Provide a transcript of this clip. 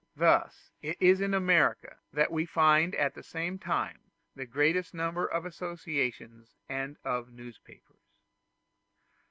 Thus it is in America that we find at the same time the greatest number of associations and of newspapers.